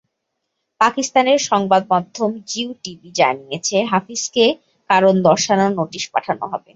পাকিস্তানের সংবাদমাধ্যম জিও টিভি জানিয়েছে, হাফিজকে কারণ দর্শানো নোটিশ পাঠানো হবে।